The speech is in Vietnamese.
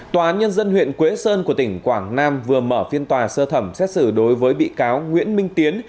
tòa án nhân dân huyện quế sơn của tỉnh quảng nam vừa mở phiên tòa sơ thẩm xét xử đối với bị cáo nguyễn minh tiến